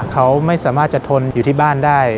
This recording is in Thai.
เขาไม่สามารถจะทนอยู่ที่บ้านได้